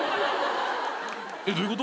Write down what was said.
えっどういうこと！？